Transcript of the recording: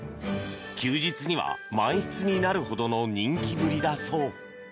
休日には満室になるほどの人気ぶりだそう。